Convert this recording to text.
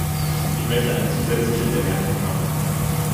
Ich möchte eine zusätzliche Bemerkung machen.